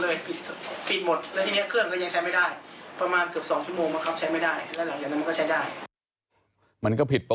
และทีเนี้ยเครื่องก็ยังใช้ไม่ได้